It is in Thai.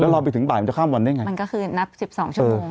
เราไปถึงบ่ายมันจะข้ามวันได้ไงมันก็คือนับสิบสองชั่วโมง